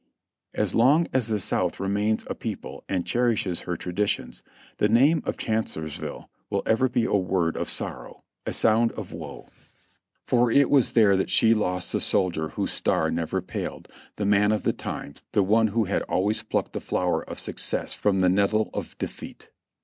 As long as the South remains a people and cherishes her tra ditions, the name of Chancellorsville will ever be a word of sor row, a sound of woe; for it was there that she lost the soldier whose star never paled, the man of the times, the one who had always plucked the flower of success from the nettle of defeat.